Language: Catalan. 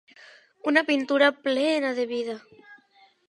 Una pintura plena de vida.